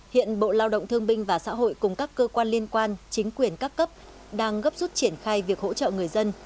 hiện bộ lao động thương binh và xã hội cùng các cơ quan liên quan chính quyền các cấp đang gấp rút triển khai việc hỗ trợ người dân